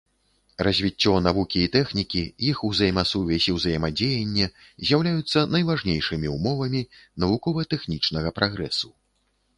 Развіццё навукі і тэхнікі, іх узаемасувязь і ўзаемадзеянне з'яўляюцца найважнейшымі ўмовамі навукова-тэхнічнага прагрэсу.